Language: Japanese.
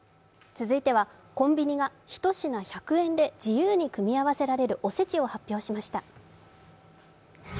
続いては、コンビニが１品１００円で自由に組み合わせられるおせちを発表しました。